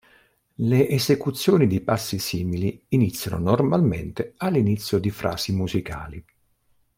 Le esecuzioni di passi simili iniziano normalmente all'inizio di frasi musicali.